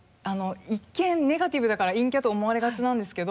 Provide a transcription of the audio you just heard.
一見ネガティブだから陰キャと思われがちなんですけど。